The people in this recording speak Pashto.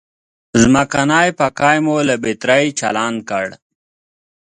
ځمکنی پکی مو له بترۍ چالان کړ.